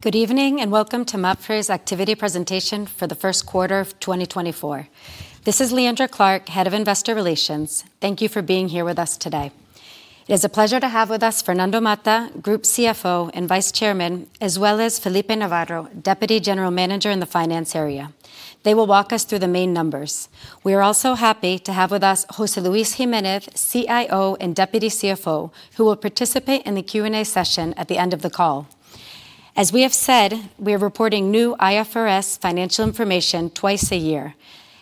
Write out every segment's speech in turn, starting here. Good evening and welcome to MAPFRE's activity presentation for the first quarter of 2024. This is Leandra Clark, Head of Investor Relations. Thank you for being here with us today. It is a pleasure to have with us Fernando Mata, Group CFO and Vice Chairman, as well as Felipe Navarro, Deputy General Manager in the Finance area. They will walk us through the main numbers. We are also happy to have with us José Luis Jiménez, CIO and Deputy CFO, who will participate in the Q&A session at the end of the call. As we have said, we are reporting new IFRS financial information twice a year,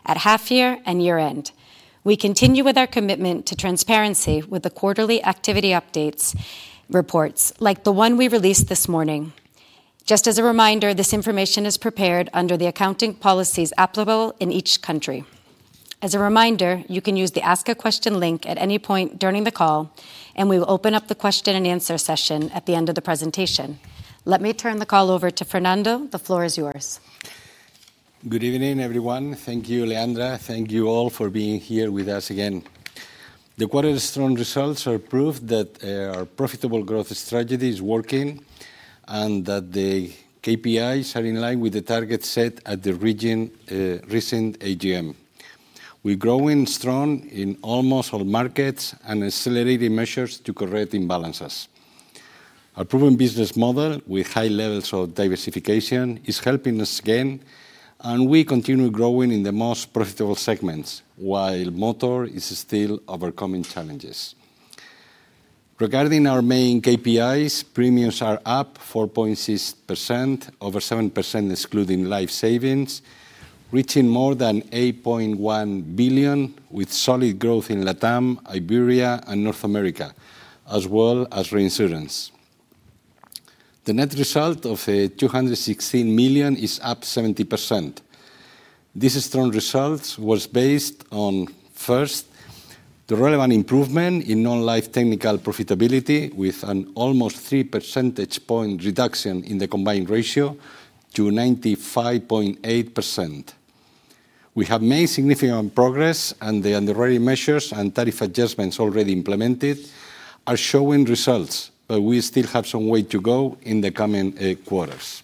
at half-year and year-end. We continue with our commitment to transparency with the quarterly activity updates reports like the one we released this morning. Just as a reminder, this information is prepared under the accounting policies applicable in each country. As a reminder, you can use the Ask a Question link at any point during the call, and we will open up the question and answer session at the end of the presentation. Let me turn the call over to Fernando. The floor is yours. Good evening, everyone. Thank you, Leandra. Thank you all for being here with us again. The quarter-strong results are proof that our profitable growth strategy is working and that the KPIs are in line with the targets set at the recent AGM. We're growing strong in almost all markets and accelerating measures to correct imbalances. Our proven business model with high levels of diversification is helping us gain, and we continue growing in the most profitable segments while motor is still overcoming challenges. Regarding our main KPIs, premiums are up 4.6% over 7% excluding life savings, reaching more than 8.1 billion with solid growth in Latam, Iberia, and North America, as well as reinsurance. The net result of 216 million is up 70%. This strong result was based on, first, the relevant improvement in non-life technical profitability with an almost 3 percentage point reduction in the combined ratio to 95.8%. We have made significant progress, and the underwriting measures and tariff adjustments already implemented are showing results, but we still have some way to go in the coming quarters.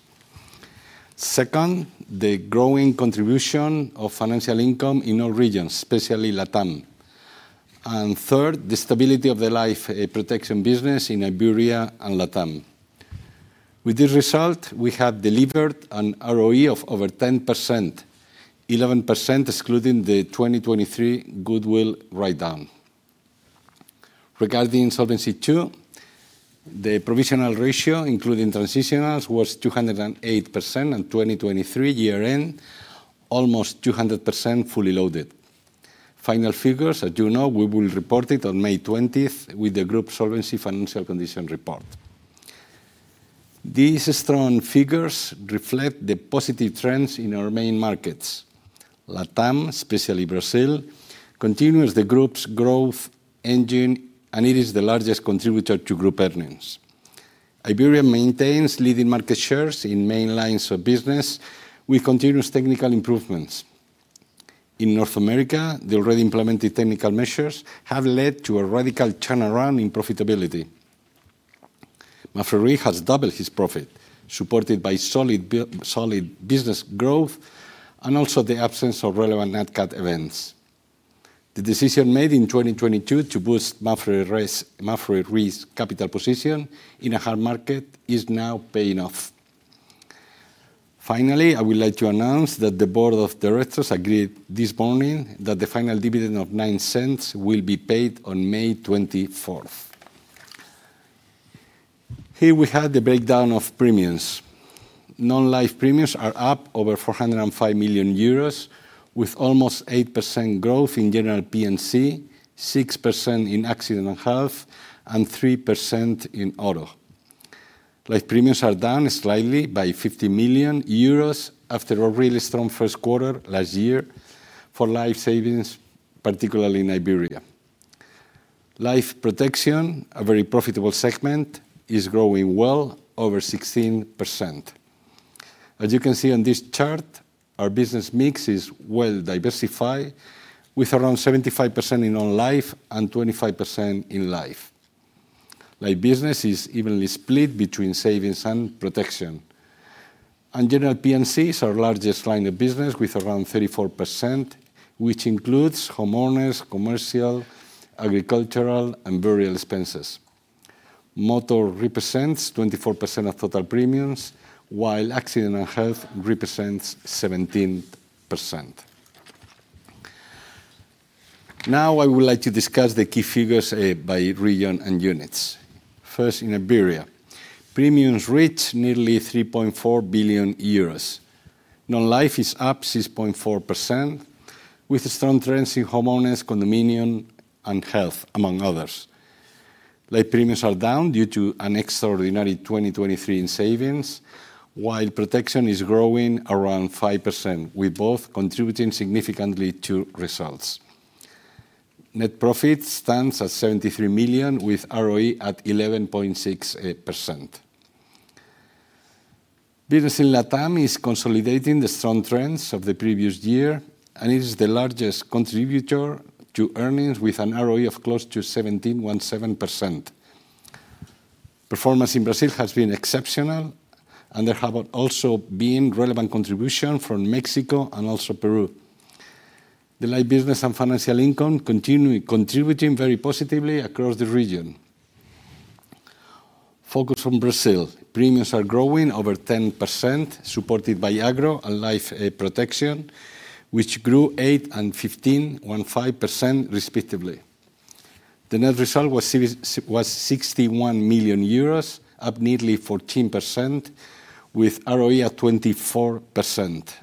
Second, the growing contribution of financial income in all regions, especially Latam. And third, the stability of the life protection business in Iberia and Latam. With this result, we have delivered an ROE of over 10%, 11% excluding the 2023 goodwill write-down. Regarding solvency too, the provisional ratio, including transitionals, was 208% in 2023 year-end, almost 200% fully loaded. Final figures, as you know, we will report it on May 20th with the Group Solvency Financial Condition Report. These strong figures reflect the positive trends in our main markets. Latam, especially Brazil, continues the group's growth engine, and it is the largest contributor to group earnings. Iberia maintains leading market shares in main lines of business with continuous technical improvements. In North America, the already implemented technical measures have led to a radical turnaround in profitability. MAPFRE has doubled his profit, supported by solid business growth and also the absence of relevant net-cat events. The decision made in 2022 to boost MAPFRE's capital position in a hard market is now paying off. Finally, I would like to announce that the board of directors agreed this morning that the final dividend of 0.09 will be paid on May 24th. Here we have the breakdown of premiums. Non-life premiums are up over 405 million euros with almost 8% growth in general P&C, 6% in accident and health, and 3% in auto. Life premiums are down slightly by 50 million euros after a really strong first quarter last year for life savings, particularly in Iberia. Life protection, a very profitable segment, is growing well over 16%. As you can see on this chart, our business mix is well diversified with around 75% in non-life and 25% in life. Life business is evenly split between savings and protection. General P&C is our largest line of business with around 34%, which includes homeowners, commercial, agricultural, and burial expenses. Motor represents 24% of total premiums, while accident and health represents 17%. Now I would like to discuss the key figures by region and units. First, in Iberia, premiums reach nearly 3.4 billion euros. Non-life is up 6.4% with strong trends in homeowners, condominium, and health, among others. Life premiums are down due to an extraordinary 2023 in savings, while protection is growing around 5%, with both contributing significantly to results. Net profit stands at 73 million with ROE at 11.6%. Business in Latam is consolidating the strong trends of the previous year, and it is the largest contributor to earnings with an ROE of close to 17.7%. Performance in Brazil has been exceptional, and there have also been relevant contributions from Mexico and also Peru. The life business and financial income continue contributing very positively across the region. Focus on Brazil. Premiums are growing over 10%, supported by agro and life protection, which grew 8 and 15.5%, respectively. The net result was 61 million euros, up nearly 14%, with ROE at 24%.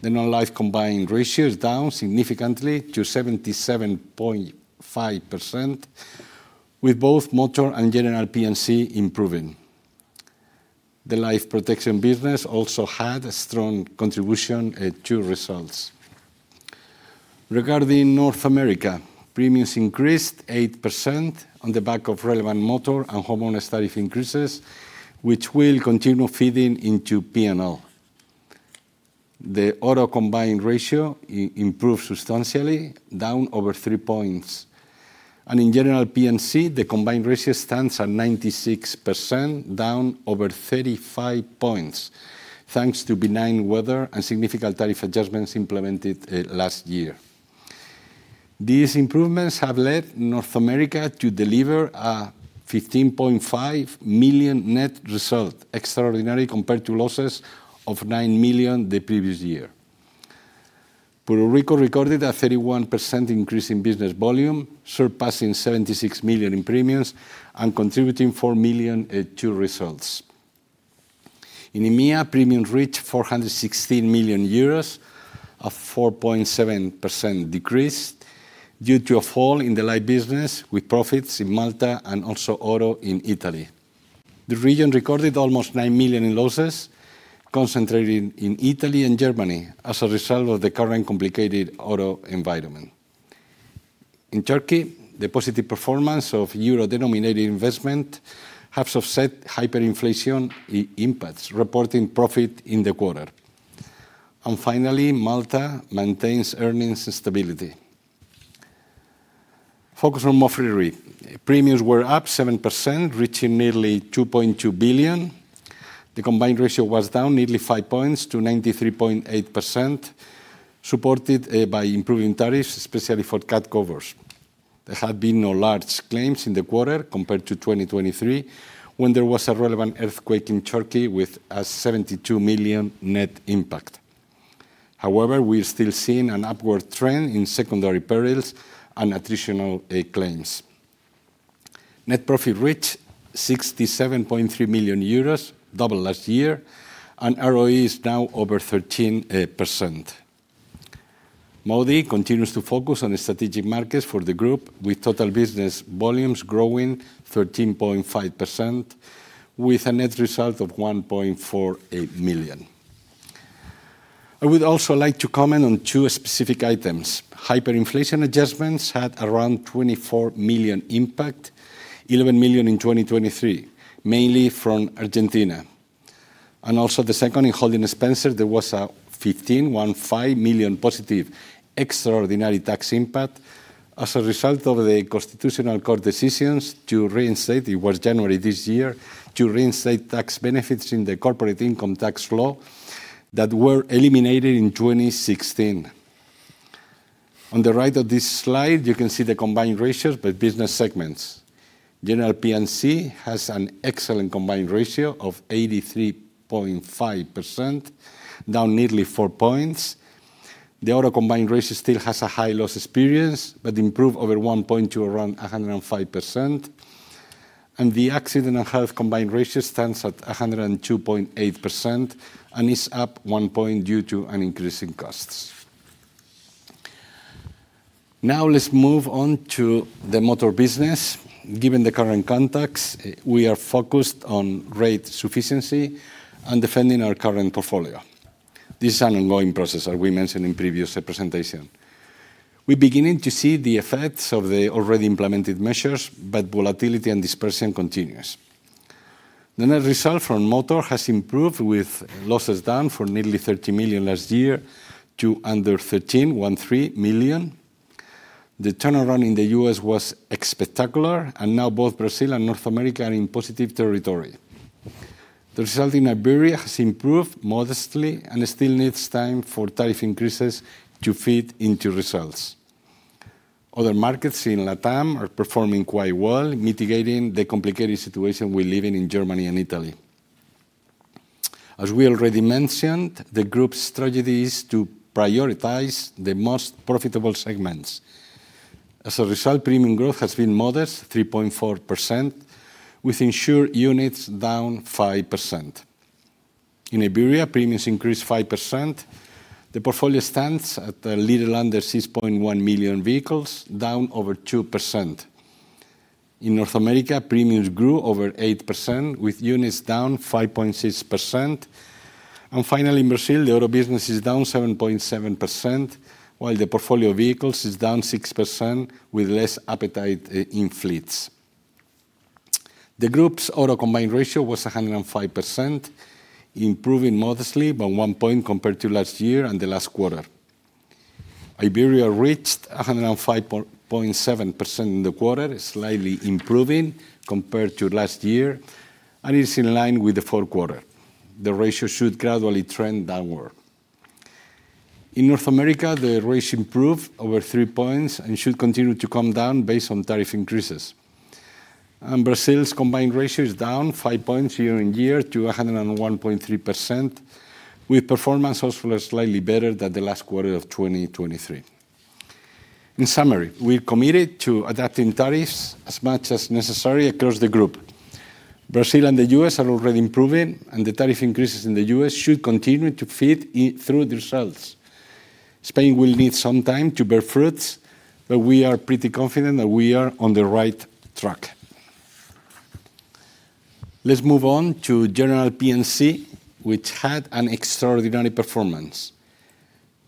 The non-life combined ratio is down significantly to 77.5%, with both motor and general P&C improving. The life protection business also had a strong contribution to results. Regarding North America, premiums increased 8% on the back of relevant motor and homeowners tariff increases, which will continue feeding into P&L. The auto combined ratio improves substantially, down over 3 points. In general P&C, the combined ratio stands at 96%, down over 35 points, thanks to benign weather and significant tariff adjustments implemented last year. These improvements have led North America to deliver a 15.5 million net result, extraordinary compared to losses of 9 million the previous year. Puerto Rico recorded a 31% increase in business volume, surpassing 76 million in premiums and contributing 4 million to results. In EMEA, premiums reached 416 million euros, a 4.7% decrease due to a fall in the life business with profits in Malta and also auto in Italy. The region recorded almost 9 million in losses, concentrating in Italy and Germany as a result of the current complicated auto environment. In Turkey, the positive performance of euro-denominated investment has offset hyperinflation impacts, reporting profit in the quarter. Finally, Malta maintains earnings stability. Focus on MAPFRE RE. Premiums were up 7%, reaching nearly 2.2 billion. The combined ratio was down nearly 5 points to 93.8%, supported by improving tariffs, especially for auto covers. There had been no large claims in the quarter compared to 2023, when there was a relevant earthquake in Turkey with a 72 million net impact. However, we are still seeing an upward trend in secondary perils and attritional claims. Net profit reached 67.3 million euros, double last year, and ROE is now over 13%. MAPFRE continues to focus on strategic markets for the group, with total business volumes growing 13.5% with a net result of 1.48 million. I would also like to comment on two specific items. Hyperinflation adjustments had around 24 million impact, 11 million in 2023, mainly from Argentina. Also the second, in holding expenses, there was a 15.15 million positive extraordinary tax impact as a result of the Constitutional Court decisions to reinstate—it was January this year—to reinstate tax benefits in the corporate income tax law that were eliminated in 2016. On the right of this slide, you can see the combined ratios by business segments. General P&C has an excellent combined ratio of 83.5%, down nearly four points. The auto combined ratio still has a high loss experience, but improved over 1.2% to around 105%. And the accident and health combined ratio stands at 102.8% and is up one point due to increasing costs. Now let's move on to the motor business. Given the current context, we are focused on rate sufficiency and defending our current portfolio. This is an ongoing process, as we mentioned in previous presentations. We're beginning to see the effects of the already implemented measures, but volatility and dispersion continue. The net result from motor has improved with losses down from nearly 30 million last year to under 13.13 million. The turnaround in the U.S. was spectacular, and now both Brazil and North America are in positive territory. The result in Iberia has improved modestly and still needs time for tariff increases to feed into results. Other markets in Latam are performing quite well, mitigating the complicated situation we're living in Germany and Italy. As we already mentioned, the group's strategy is to prioritize the most profitable segments. As a result, premium growth has been modest, 3.4%, with insured units down 5%. In Iberia, premiums increased 5%. The portfolio stands at a little under 6.1 million vehicles, down over 2%. In North America, premiums grew over 8%, with units down 5.6%. Finally, in Brazil, the auto business is down 7.7%, while the portfolio vehicles is down 6% with less appetite in fleets. The group's auto combined ratio was 105%, improving modestly by 1 point compared to last year and the last quarter. Iberia reached 105.7% in the quarter, slightly improving compared to last year, and it is in line with the fourth quarter. The ratio should gradually trend downward. In North America, the rate improved over 3 points and should continue to come down based on tariff increases. Brazil's combined ratio is down 5 points year-on-year to 101.3%, with performance also slightly better than the last quarter of 2023. In summary, we're committed to adapting tariffs as much as necessary across the group. Brazil and the U.S. are already improving, and the tariff increases in the U.S. should continue to feed through the results. Spain will need some time to bear fruits, but we are pretty confident that we are on the right track. Let's move on to general P&C, which had an extraordinary performance.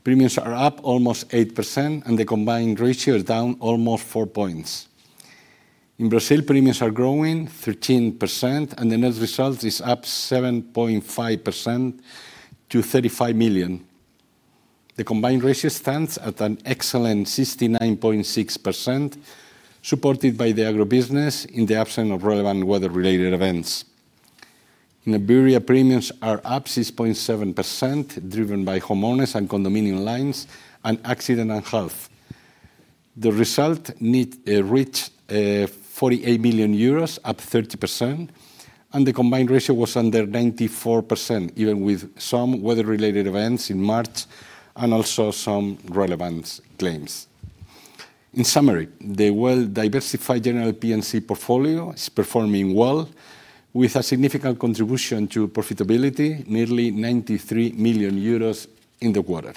Premiums are up almost 8%, and the combined ratio is down almost 4 points. In Brazil, premiums are growing 13%, and the net result is up 7.5% to 35 million. The combined ratio stands at an excellent 69.6%, supported by the agrobusiness in the absence of relevant weather-related events. In Iberia, premiums are up 6.7%, driven by homeowners and condominium lines and accident and health. The result reached 48 million euros, up 30%, and the combined ratio was under 94%, even with some weather-related events in March and also some relevant claims. In summary, the well-diversified general P&C portfolio is performing well, with a significant contribution to profitability, nearly 93 million euros in the quarter.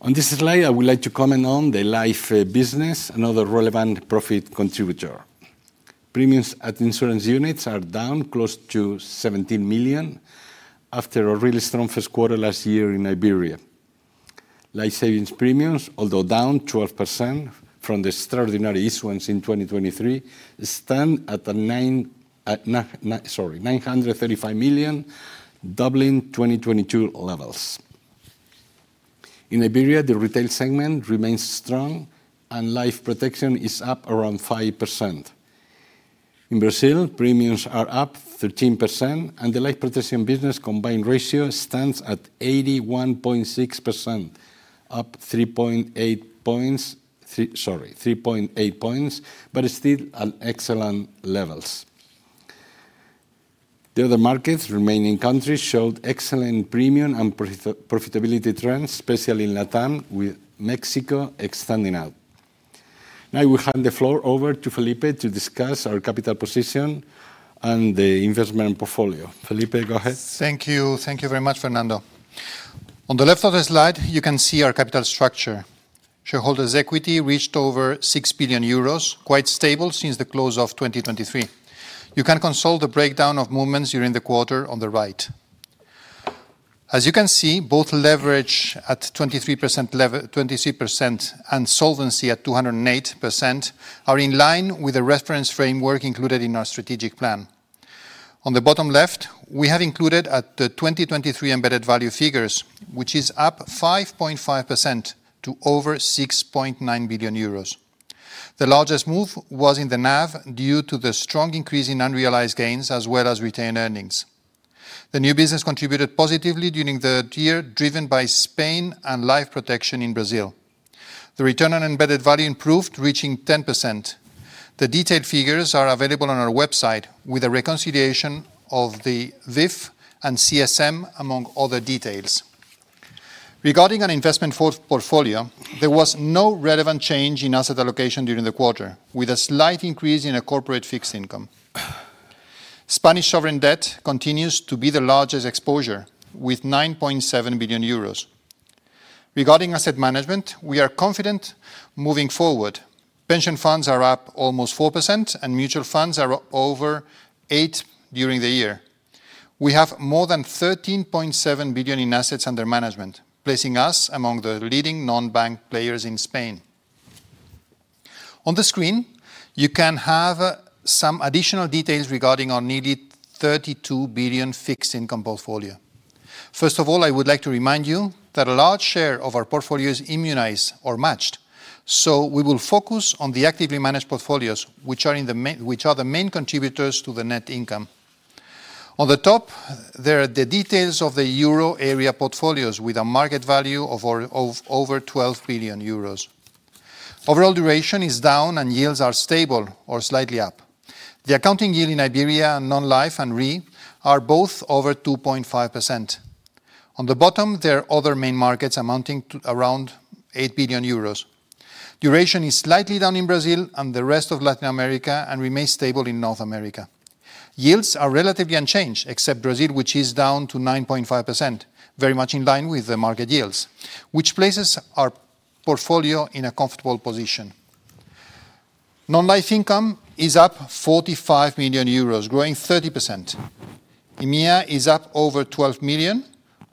On this slide, I would like to comment on the life business, another relevant profit contributor. Premiums at insurance units are down close to 17 million after a really strong first quarter last year in Iberia. Life savings premiums, although down 12% from the extraordinary issuance in 2023, stand at 935 million, doubling 2022 levels. In Iberia, the retail segment remains strong, and life protection is up around 5%. In Brazil, premiums are up 13%, and the life protection business combined ratio stands at 81.6%, up 3.8 points, but still at excellent levels. The other markets, remaining countries, showed excellent premium and profitability trends, especially in Latam, with Mexico extending out. Now we hand the floor over to Felipe to discuss our capital position and the investment portfolio. Felipe, go ahead. Thank you. Thank you very much, Fernando. On the left of the slide, you can see our capital structure. Shareholders' equity reached over 6 billion euros, quite stable since the close of 2023. You can consult the breakdown of movements during the quarter on the right. As you can see, both leverage at 23% and solvency at 208% are in line with the reference framework included in our strategic plan. On the bottom left, we have included the 2023 embedded value figures, which is up 5.5% to over 6.9 billion euros. The largest move was in the NAV due to the strong increase in unrealized gains as well as retained earnings. The new business contributed positively during the year, driven by Spain and life protection in Brazil. The return on embedded value improved, reaching 10%. The detailed figures are available on our website with a reconciliation of the VIF and CSM, among other details. Regarding our investment portfolio, there was no relevant change in asset allocation during the quarter, with a slight increase in corporate fixed income. Spanish sovereign debt continues to be the largest exposure, with 9.7 billion euros. Regarding asset management, we are confident moving forward. Pension funds are up almost 4%, and mutual funds are over 8% during the year. We have more than 13.7 billion in assets under management, placing us among the leading non-bank players in Spain. On the screen, you can have some additional details regarding our nearly 32 billion fixed income portfolio. First of all, I would like to remind you that a large share of our portfolios immunize or match, so we will focus on the actively managed portfolios, which are the main contributors to the net income. On the top, there are the details of the euro area portfolios, with a market value of over 12 billion euros. Overall duration is down, and yields are stable or slightly up. The accounting yield in Iberia, non-life, and RE are both over 2.5%. On the bottom, there are other main markets amounting to around 8 billion euros. Duration is slightly down in Brazil and the rest of Latin America and remains stable in North America. Yields are relatively unchanged, except Brazil, which is down to 9.5%, very much in line with the market yields, which places our portfolio in a comfortable position. Non-life income is up 45 million euros, growing 30%. EMEA is up over 12 million,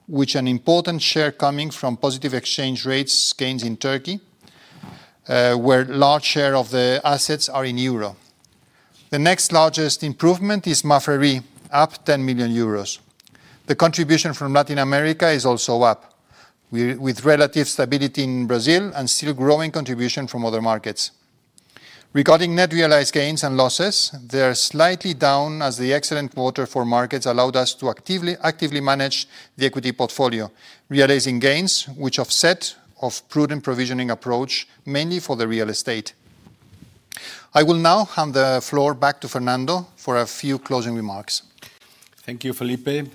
which is an important share coming from positive exchange rates gains in Turkey, where a large share of the assets are in euro. The next largest improvement is MAPFRE RE, up 10 million euros. The contribution from Latin America is also up, with relative stability in Brazil and still growing contribution from other markets. Regarding net realized gains and losses, they are slightly down as the excellent quarter for markets allowed us to actively manage the equity portfolio, realizing gains which offset a prudent provisioning approach, mainly for the real estate. I will now hand the floor back to Fernando for a few closing remarks. Thank you, Felipe.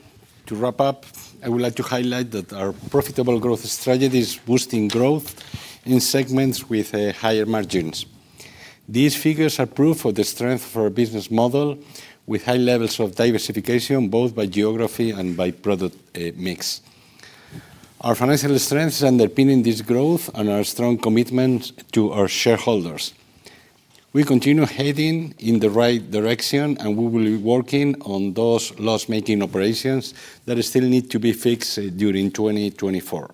To wrap up, I would like to highlight that our profitable growth strategy is boosting growth in segments with higher margins. These figures are proof of the strength of our business model, with high levels of diversification both by geography and by product mix. Our financial strength is underpinning this growth and our strong commitment to our shareholders. We continue heading in the right direction, and we will be working on those loss-making operations that still need to be fixed during 2024.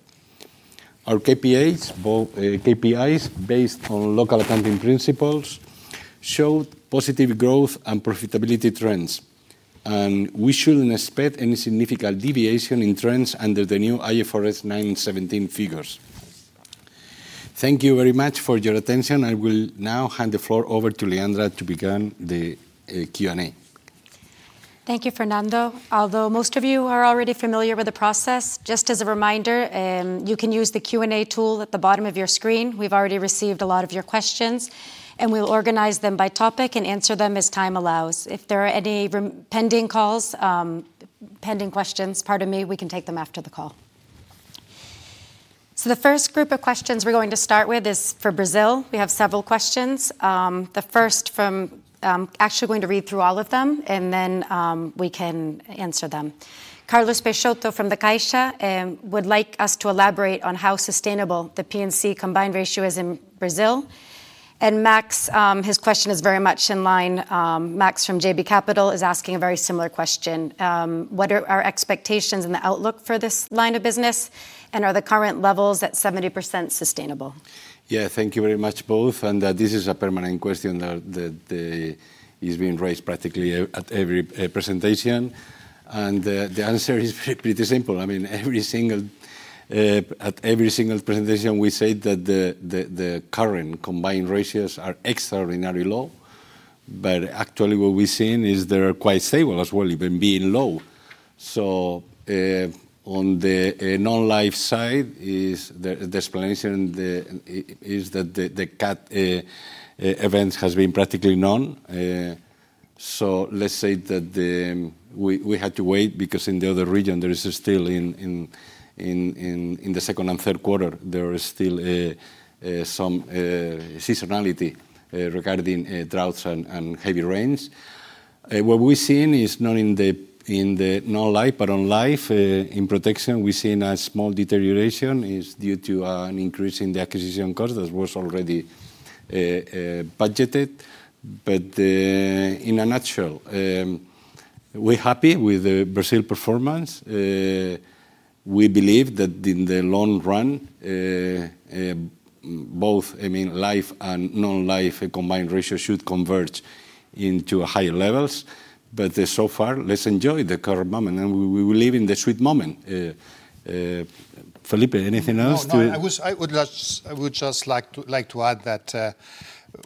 Our KPIs, based on local accounting principles, showed positive growth and profitability trends, and we shouldn't expect any significant deviation in trends under the new IFRS 17 figures. Thank you very much for your attention. I will now hand the floor over to Leandra to begin the Q&A. Thank you, Fernando. Although most of you are already familiar with the process, just as a reminder, you can use the Q&A tool at the bottom of your screen. We've already received a lot of your questions, and we'll organize them by topic and answer them as time allows. If there are any pending calls, pending questions, pardon me, we can take them after the call. So the first group of questions we're going to start with is for Brazil. We have several questions. The first, I'm actually going to read through all of them, and then we can answer them. Carlos Peixoto from CaixaBank would like us to elaborate on how sustainable the P&C combined ratio is in Brazil. And Max, his question is very much in line. Max from JB Capital is asking a very similar question. What are our expectations and the outlook for this line of business, and are the current levels at 70% sustainable? Yeah, thank you very much both. This is a permanent question that is being raised practically at every presentation. The answer is pretty simple. I mean, at every single presentation, we say that the current combined ratios are extraordinarily low. But actually, what we're seeing is they are quite stable as well, even being low. So on the non-life side, the explanation is that the event has been practically none. Let's say that we had to wait because in the other region, there is still in the second and third quarter, there is still some seasonality regarding droughts and heavy rains. What we're seeing is not in the non-life, but on life, in protection, we're seeing a small deterioration. It's due to an increase in the acquisition cost that was already budgeted. In a nutshell, we're happy with Brazil's performance. We believe that in the long run, both life and non-life combined ratios should converge into higher levels. But so far, let's enjoy the current moment. And we will live in the sweet moment. Felipe, anything else to? No, no. I would just like to add that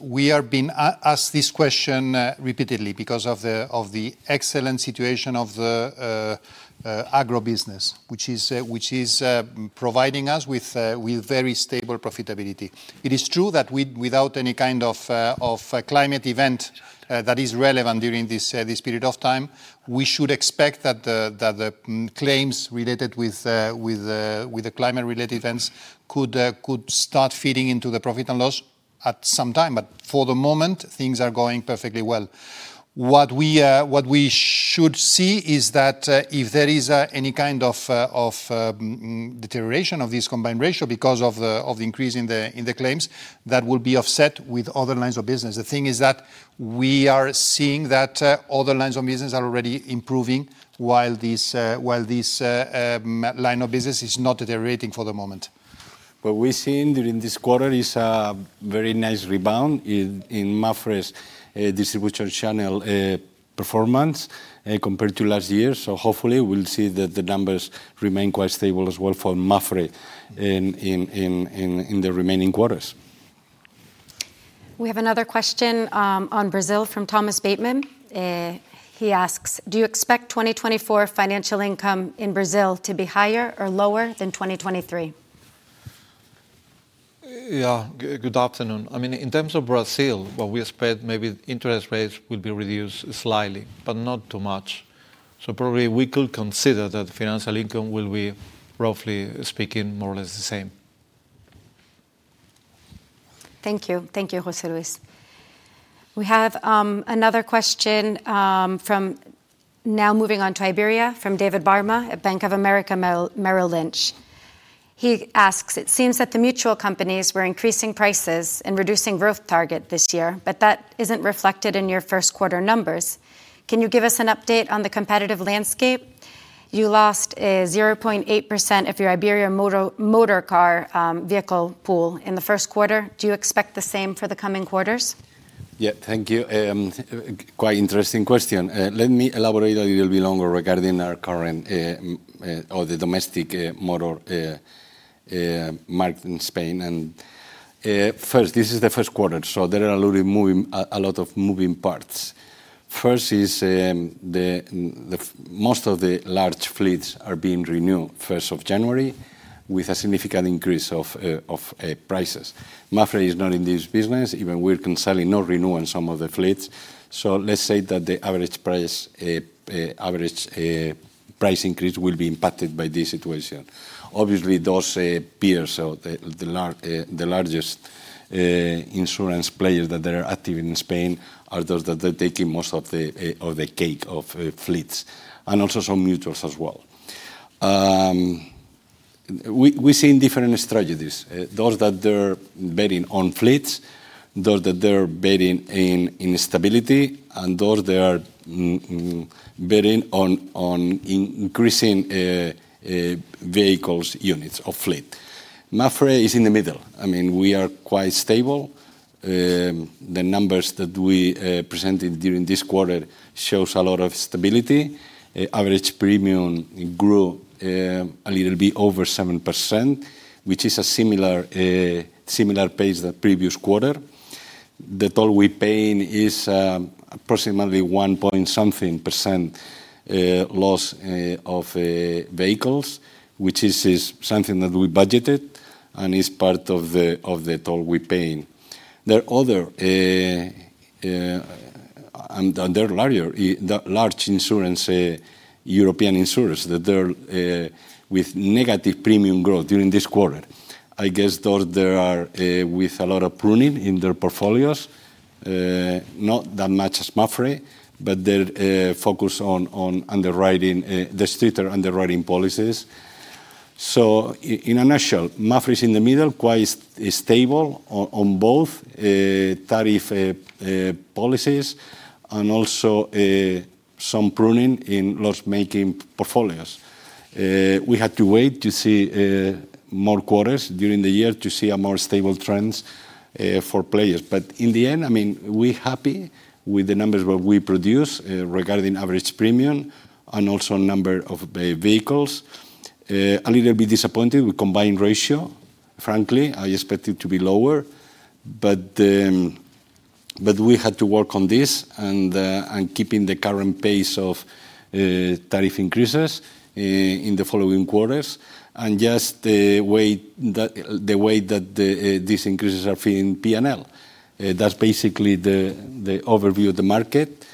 we are being asked this question repeatedly because of the excellent situation of the agrobusiness, which is providing us with very stable profitability. It is true that without any kind of climate event that is relevant during this period of time, we should expect that the claims related with the climate-related events could start feeding into the profit and loss at some time. But for the moment, things are going perfectly well. What we should see is that if there is any kind of deterioration of this combined ratio because of the increase in the claims, that will be offset with other lines of business. The thing is that we are seeing that other lines of business are already improving while this line of business is not deteriorating for the moment. What we're seeing during this quarter is a very nice rebound in MAPFRE's distribution channel performance compared to last year. So hopefully, we'll see that the numbers remain quite stable as well for MAPFRE in the remaining quarters. We have another question on Brazil from Thomas Bateman. He asks, "Do you expect 2024 financial income in Brazil to be higher or lower than 2023? Yeah, good afternoon. I mean, in terms of Brazil, what we expect, maybe interest rates will be reduced slightly, but not too much. So probably we could consider that financial income will be, roughly speaking, more or less the same. Thank you. Thank you, José Luis. We have another question now moving on to Iberia from David Barma at Bank of America Merrill Lynch. He asks, "It seems that the mutual companies were increasing prices and reducing growth target this year, but that isn't reflected in your first quarter numbers. Can you give us an update on the competitive landscape? You lost 0.8% of your Iberia motorcar vehicle pool in the first quarter. Do you expect the same for the coming quarters? Yeah, thank you. Quite interesting question. Let me elaborate a little bit longer regarding our current or the domestic motor market in Spain. First, this is the first quarter. So there are a lot of moving parts. First is most of the large fleets are being renewed 1st of January with a significant increase of prices. MAPFRE is not in this business. Even we're consolidating or renewing some of the fleets. So let's say that the average price increase will be impacted by this situation. Obviously, those peers, the largest insurance players that are active in Spain, are those that are taking most of the cake of fleets, and also some mutuals as well. We're seeing different strategies. Those that are betting on fleets, those that are betting in stability, and those that are betting on increasing vehicles units of fleet. MAPFRE is in the middle. I mean, we are quite stable. The numbers that we presented during this quarter show a lot of stability. Average premium grew a little bit over 7%, which is a similar pace than previous quarter. The toll we're paying is approximately 1 point something percent loss of vehicles, which is something that we budgeted and is part of the toll we're paying. There are other and they're large, European insurers that are with negative premium growth during this quarter. I guess those that are with a lot of pruning in their portfolios, not that much as MAPFRE, but they're focused on underwriting the stricter underwriting policies. So in a nutshell, MAPFRE is in the middle, quite stable on both tariff policies and also some pruning in loss-making portfolios. We had to wait to see more quarters during the year to see more stable trends for players. But in the end, I mean, we're happy with the numbers that we produce regarding average premium and also number of vehicles. A little bit disappointed with Combined Ratio, frankly. I expected it to be lower. But we had to work on this and keeping the current pace of tariff increases in the following quarters and just the way that these increases are feeding P&L. That's basically the overview of the market.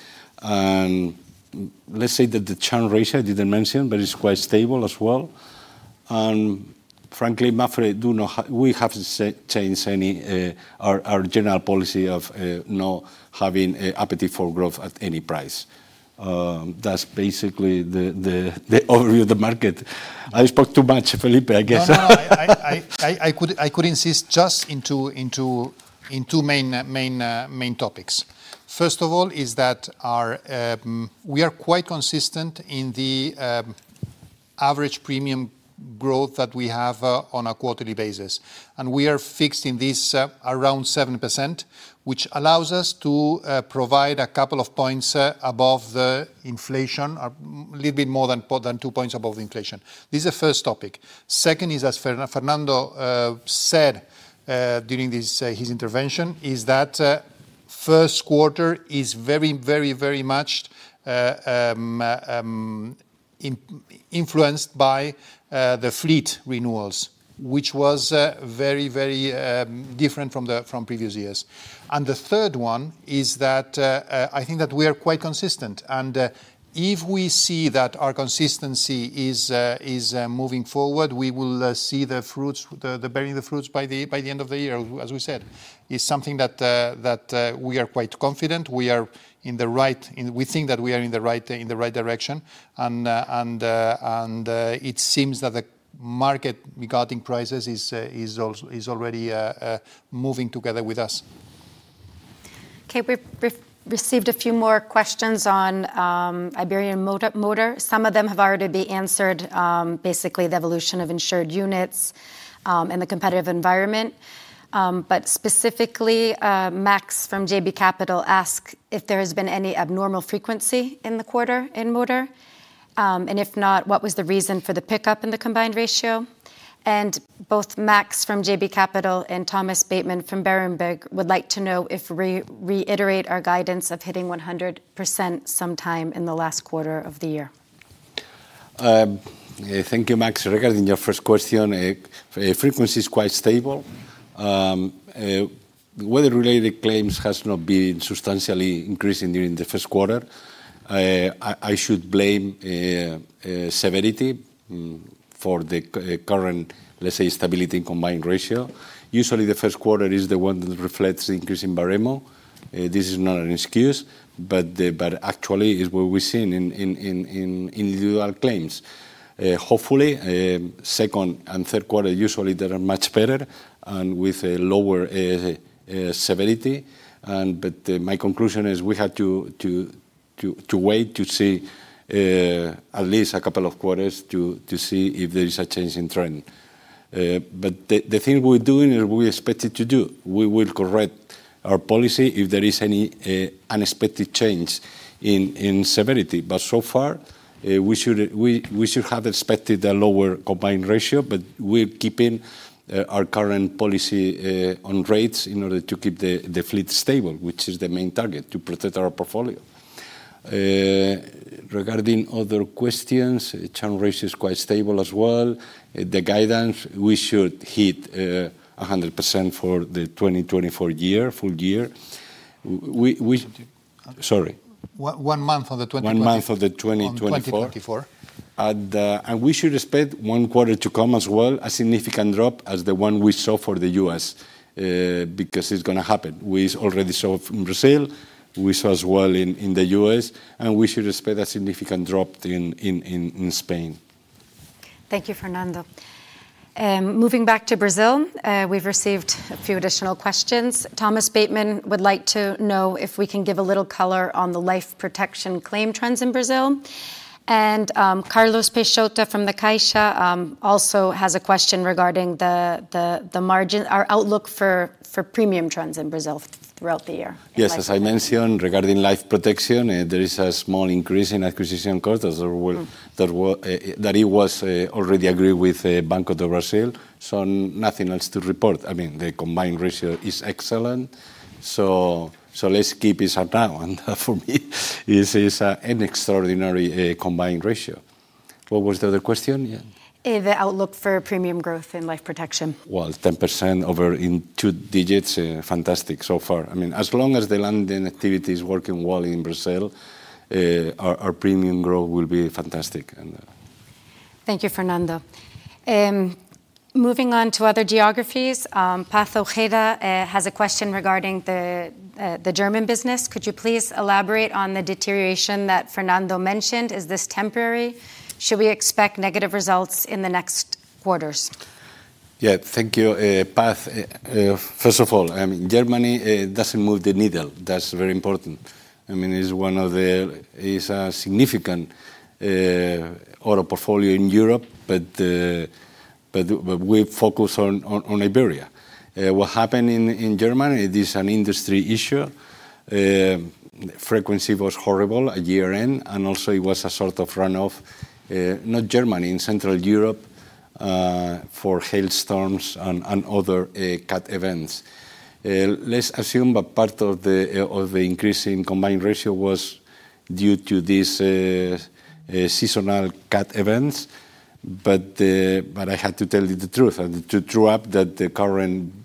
And let's say that the churn ratio, I didn't mention, but it's quite stable as well. And frankly, MAPFRE, we haven't changed our general policy of not having appetite for growth at any price. That's basically the overview of the market. I spoke too much, Felipe, I guess. No, no. I could insist just on two main topics. First of all, is that we are quite consistent in the average premium growth that we have on a quarterly basis. And we are fixed in this around 7%, which allows us to provide a couple of points above the inflation, a little bit more than two points above the inflation. This is the first topic. Second is, as Fernando said during his intervention, is that first quarter is very, very, very much influenced by the fleet renewals, which was very, very different from previous years. And the third one is that I think that we are quite consistent. And if we see that our consistency is moving forward, we will see the bearing of the fruits by the end of the year, as we said. It's something that we are quite confident. We think that we are in the right direction. It seems that the market regarding prices is already moving together with us. Okay. We've received a few more questions on Iberian Motor. Some of them have already been answered, basically the evolution of insured units and the competitive environment. But specifically, Max from JB Capital asks if there has been any abnormal frequency in the quarter in Motor. And if not, what was the reason for the pickup in the combined ratio? And both Max from JB Capital and Thomas Bateman from Berenberg would like to know if we reiterate our guidance of hitting 100% sometime in the last quarter of the year. Thank you, Max. Regarding your first question, frequency is quite stable. Weather-related claims have not been substantially increasing during the first quarter. I should blame severity for the current, let's say, stability in Combined Ratio. Usually, the first quarter is the one that reflects the increase in Baremo. This is not an excuse, but actually, it's what we're seeing in individual claims. Hopefully, second and third quarter, usually, they are much better and with lower severity. But my conclusion is we had to wait to see at least a couple of quarters to see if there is a change in trend. But the thing we're doing is what we expected to do. We will correct our policy if there is any unexpected change in severity. But so far, we should have expected a lower combined ratio, but we're keeping our current policy on rates in order to keep the fleet stable, which is the main target, to protect our portfolio. Regarding other questions, churn rate is quite stable as well. The guidance, we should hit 100% for the 2024 year, full year. Sorry. One month of the 2024. One month of the 2024. We should expect one quarter to come as well a significant drop as the one we saw for the U.S. because it's going to happen. We already saw it in Brazil. We saw as well in the U.S. And we should expect a significant drop in Spain. Thank you, Fernando. Moving back to Brazil, we've received a few additional questions. Thomas Bateman would like to know if we can give a little color on the life protection claim trends in Brazil. Carlos Peixoto from the Caixa also has a question regarding our outlook for premium trends in Brazil throughout the year. Yes. As I mentioned, regarding life protection, there is a small increase in acquisition cost. That was already agreed with Banco do Brasil. Nothing else to report. I mean, the combined ratio is excellent. Let's keep it at now. For me, it's an extraordinary combined ratio. What was the other question? The outlook for premium growth in life protection. Well, 10% over in two digits, fantastic so far. I mean, as long as the lending activity is working well in Brazil, our premium growth will be fantastic. Thank you, Fernando. Moving on to other geographies, Paz Ojeda has a question regarding the German business. Could you please elaborate on the deterioration that Fernando mentioned? Is this temporary? Should we expect negative results in the next quarters? Yeah, thank you, Paz. First of all, I mean, Germany doesn't move the needle. That's very important. I mean, it's a significant auto portfolio in Europe, but we focus on Iberia. What happened in Germany, it is an industry issue. Frequency was horrible at year-end. And also, it was a sort of run-off, not Germany, in Central Europe for hailstorms and other cat events. Let's assume that part of the increase in combined ratio was due to these seasonal cat events. But I had to tell you the truth. And to true up that the current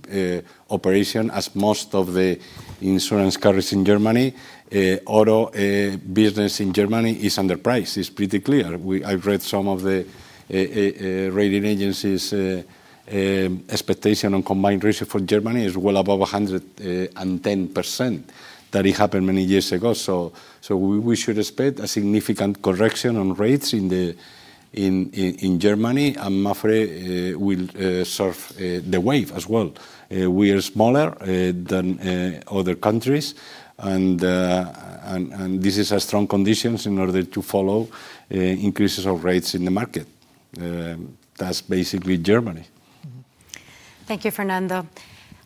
operation, as most of the insurance carriers in Germany, auto business in Germany is underpriced. It's pretty clear. I've read some of the rating agencies' expectation on combined ratio for Germany is well above 110%. That happened many years ago. So we should expect a significant correction on rates in Germany. MAPFRE will surf the wave as well. We are smaller than other countries. This is a strong condition in order to follow increases of rates in the market. That's basically Germany. Thank you, Fernando.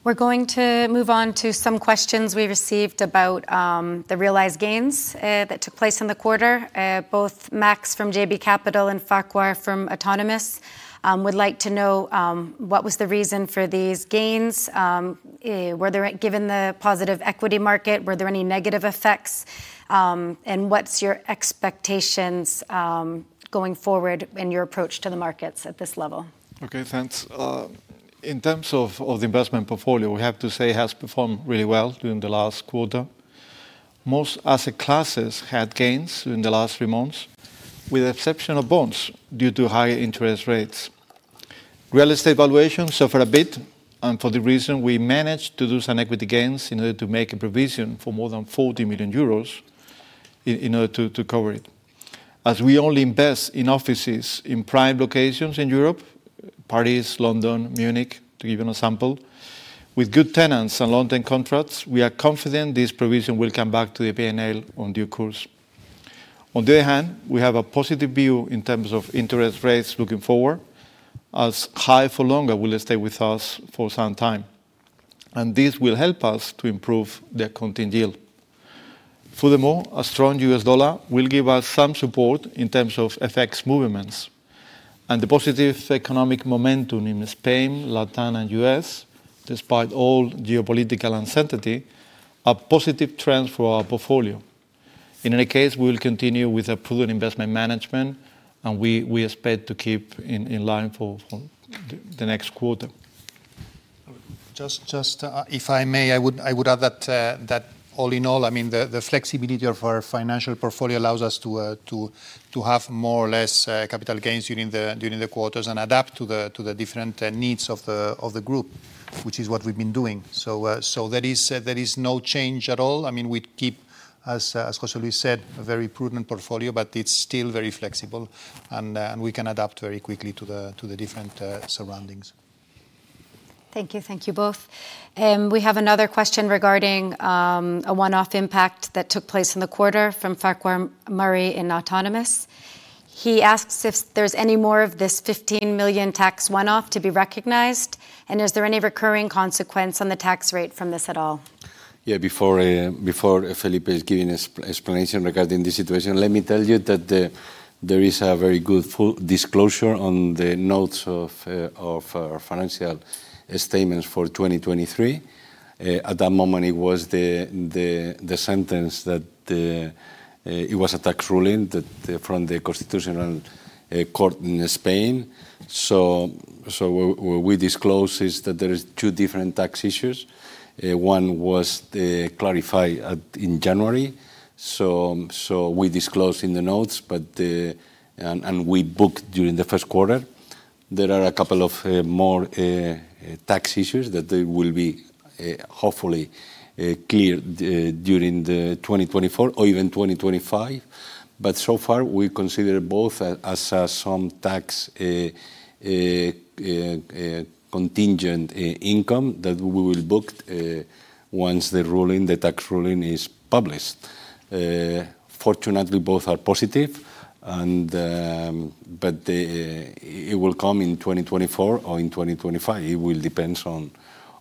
We're going to move on to some questions we received about the realized gains that took place in the quarter. Both Max from JB Capital and Farooq from Autonomous would like to know what was the reason for these gains? Were they given the positive equity market? Were there any negative effects? And what's your expectations going forward in your approach to the markets at this level? Okay, thanks. In terms of the investment portfolio, we have to say it has performed really well during the last quarter. Most asset classes had gains during the last three months, with the exception of bonds due to high interest rates. Real estate valuations suffered a bit for the reason we managed to do some equity gains in order to make a provision for more than 40 million euros in order to cover it. As we only invest in offices in prime locations in Europe, Paris, London, Munich, to give you an example, with good tenants and long-term contracts, we are confident this provision will come back to the P&L in due course. On the other hand, we have a positive view in terms of interest rates looking forward, as high for longer will stay with us for some time. And this will help us to improve the contingent. Furthermore, a strong U.S. dollar will give us some support in terms of FX movements. The positive economic momentum in Spain, Latin, and U.S., despite all geopolitical uncertainty, are positive trends for our portfolio. In any case, we will continue with prudent investment management. We expect to keep in line for the next quarter. Just if I may, I would add that all in all, I mean, the flexibility of our financial portfolio allows us to have more or less capital gains during the quarters and adapt to the different needs of the group, which is what we've been doing. So there is no change at all. I mean, we keep, as José Luis said, a very prudent portfolio, but it's still very flexible. And we can adapt very quickly to the different surroundings. Thank you. Thank you both. We have another question regarding a one-off impact that took place in the quarter from Farquhar Murray in Autonomous. He asks if there's any more of this 15 million tax one-off to be recognized? And is there any recurring consequence on the tax rate from this at all? Yeah, before Felipe is giving an explanation regarding this situation, let me tell you that there is a very good disclosure on the notes of our financial statements for 2023. At that moment, it was the sentence that it was a tax ruling from the Constitutional Court in Spain. So what we disclosed is that there are two different tax issues. One was clarified in January. So we disclosed in the notes, and we booked during the first quarter. There are a couple of more tax issues that will be hopefully cleared during 2024 or even 2025. But so far, we consider both as some tax contingent income that we will book once the tax ruling is published. Fortunately, both are positive. But it will come in 2024 or in 2025. It will depend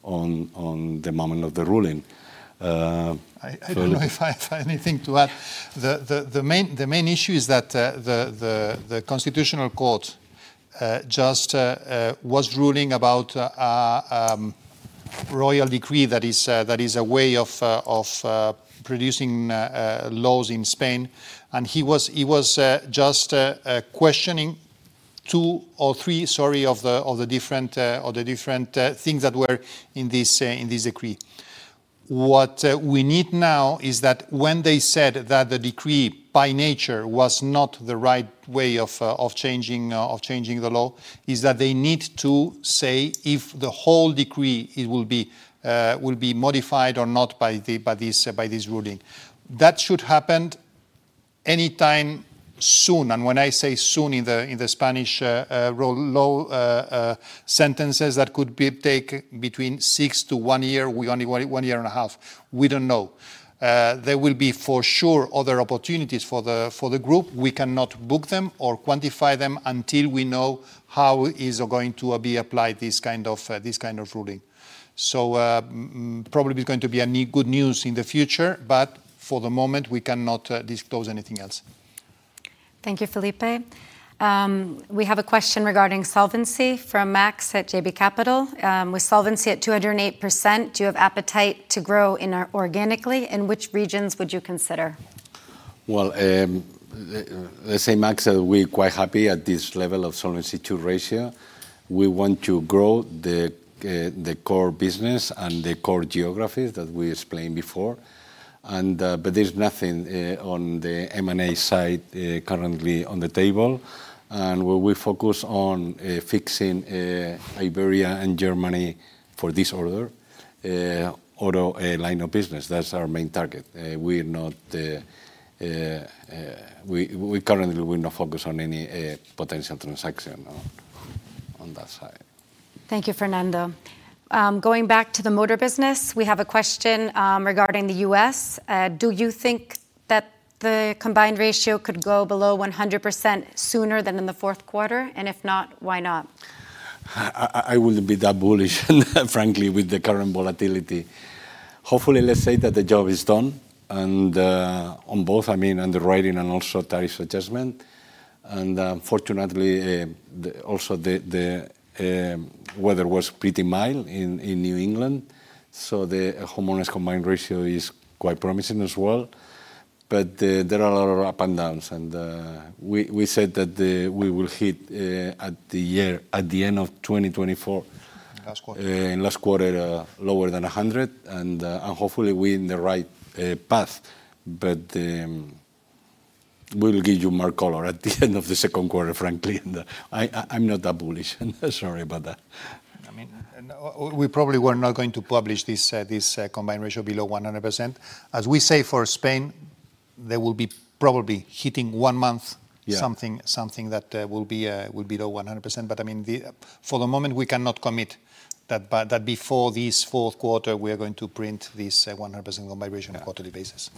on the moment of the ruling. I don't know if I have anything to add. The main issue is that the Constitutional Court just was ruling about a royal decree that is a way of producing laws in Spain. And he was just questioning two or three, sorry, of the different things that were in this decree. What we need now is that when they said that the decree, by nature, was not the right way of changing the law, is that they need to say if the whole decree will be modified or not by this ruling. That should happen any time soon. And when I say soon in the Spanish law sentences, that could take between six to one year, only one year and a half. We don't know. There will be for sure other opportunities for the group. We cannot book them or quantify them until we know how it is going to be applied, this kind of ruling. So probably it's going to be good news in the future. But for the moment, we cannot disclose anything else. Thank you, Felipe. We have a question regarding solvency from Max at JB Capital. With solvency at 208%, do you have appetite to grow organically? And which regions would you consider? Well, let's say, Max, we're quite happy at this level of solvency ratio. We want to grow the core business and the core geographies that we explained before. But there's nothing on the M&A side currently on the table. And we focus on fixing Iberia and Germany for this order, auto line of business. That's our main target. Currently, we're not focused on any potential transaction on that side. Thank you, Fernando. Going back to the motor business, we have a question regarding the US. Do you think that the combined ratio could go below 100% sooner than in the fourth quarter? And if not, why not? I wouldn't be that bullish, frankly, with the current volatility. Hopefully, let's say that the job is done on both, I mean, underwriting and also tariff adjustment. Fortunately, also, the weather was pretty mild in New England. The homeowners' combined ratio is quite promising as well. There are a lot of ups and downs. We said that we will hit at the end of 2024 in last quarter lower than 100. Hopefully, we're in the right path. We'll give you more color at the end of the second quarter, frankly. I'm not that bullish. Sorry about that. I mean, we probably were not going to publish this combined ratio below 100%. As we say for Spain, they will be probably hitting one month something that will be below 100%. But I mean, for the moment, we cannot commit that before this fourth quarter, we are going to print this 100% combined ratio on a quarterly basis.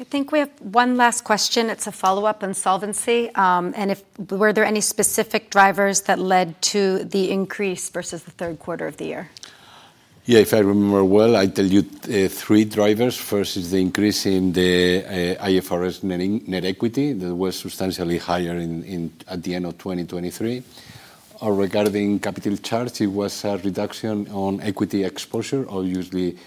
I think we have one last question. It's a follow-up on solvency. Were there any specific drivers that led to the increase versus the third quarter of the year? Yeah, if I remember well, I tell you three drivers. First is the increase in the IFRS net equity that was substantially higher at the end of 2023. Or regarding capital charge, it was a reduction on equity exposure, or usually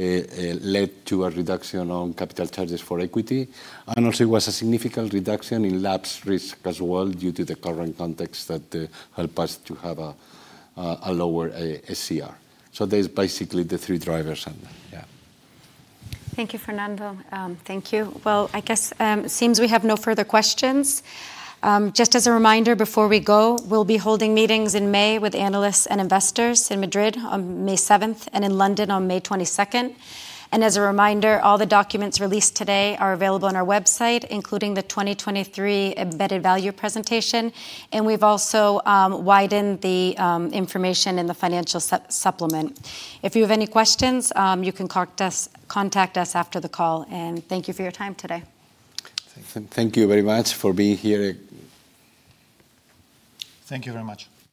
led to a reduction on capital charges for equity. And also, it was a significant reduction in lapse risk as well due to the current context that helped us to have a lower SCR. So there's basically the three drivers. Yeah. Thank you, Fernando. Thank you. Well, I guess it seems we have no further questions. Just as a reminder, before we go, we'll be holding meetings in May with analysts and investors in Madrid on May 7th and in London on May 22nd. As a reminder, all the documents released today are available on our website, including the 2023 Embedded Value presentation. We've also widened the information in the financial supplement. If you have any questions, you can contact us after the call. Thank you for your time today. Thank you very much for being here. Thank you very much.